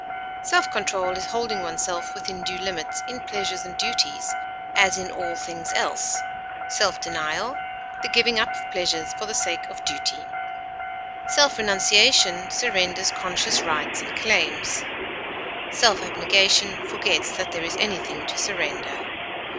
Self control is holding oneself within due limits in pleasures and duties, as in all things else; self denial, the giving up of pleasures for the sake of duty. Self renunciation surrenders conscious rights and claims; self abnegation forgets that there is anything to surrender.